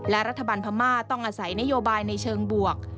และรัฐบาลพม่าต้องอาศัยนโยบายในเชิงบวก